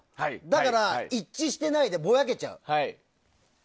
だから、一致してないでぼやけちゃう。